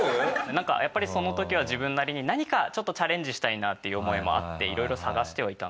なんかやっぱりその時は自分なりに何かちょっとチャレンジしたいなっていう思いもあって色々探してはいたんですけど。